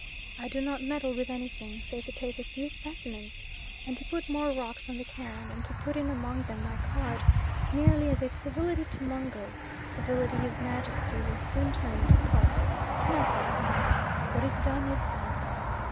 I do not meddle with anything, save to take a few specimens and to put a few more rocks on the cairn, and to put in among them my card, merely as a civility to Mungo, a civility his Majesty will soon turn into pulp. Not that it matters what is done is done.